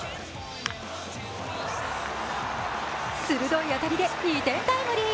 鋭い当たりで２点タイムリー。